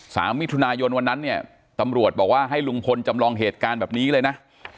สามมิถุนายนวันนั้นเนี่ยตำรวจบอกว่าให้ลุงพลจำลองเหตุการณ์แบบนี้เลยนะ